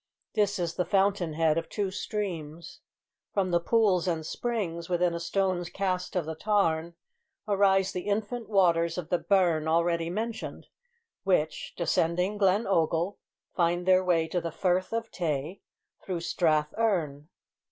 This is the fountain head of two streams. From the pools and springs, within a stone's cast of the tarn, arise the infant waters of the burn already mentioned, which, descending Glen Ogle, find their way to the Firth of Tay, through Strath Earn.